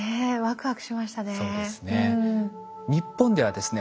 そうですね。